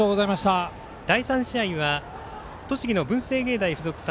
第３試合は栃木の文星芸大付属対